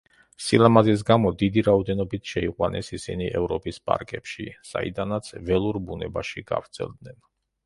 სილამაზის გამო, დიდი რაოდენობით შეიყვანეს ისინი ევროპის პარკებში, საიდანაც ველურ ბუნებაში გავრცელდნენ.